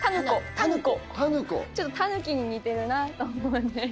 ちょっとタヌキに似てるなと思って。